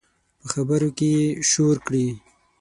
په خبرو کې یې شور کړي